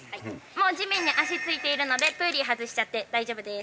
もう地面に足着いているのでプーリー外しちゃって大丈夫です。